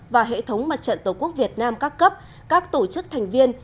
và hệ thống mặt trận tổ quốc việt nam các cấp các tổ chức thành viên